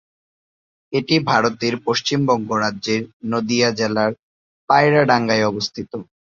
এটি ভারতের পশ্চিমবঙ্গ রাজ্যের নদীয়া জেলার পায়রাডাঙ্গায় অবস্থিত।